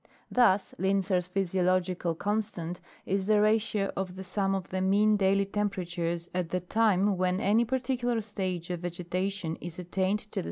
Thus Linsser's physiological constant is the ratio of the sum of the mean daily temperatures at the time when any par ticular stage of vegetation is attained to the sum total for the *S6e N.